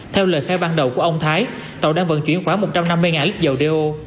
theo lời khai ban đầu của ông thái tàu đang vận chuyển khoảng một trăm năm mươi lít dầu đeo